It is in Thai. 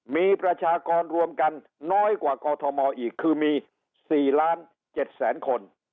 มีประชากรรวมกันน้อยกว่ากอทมอีกคือมี๔ล้าน๗แสนคน